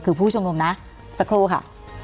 คือผู้ชุมนุมนะสักครู่ค่ะ